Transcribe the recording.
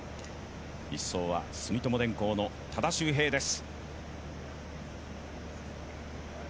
１走は住友電工の多田修平です。